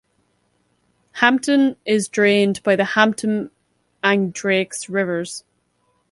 Hampton is drained by the Hampton and Drakes rivers.